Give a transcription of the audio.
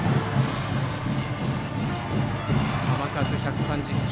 球数は１３０球。